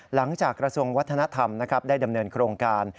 กระทรวงวัฒนธรรมได้ดำเนินโครงการ